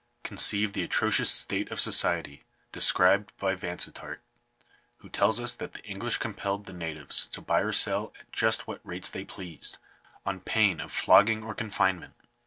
Conceive the atrocious state of society described by Vansittart, who tells us that the English compelled the natives to buy or sell at just what rates they pleased, on pain of flogging or confinement.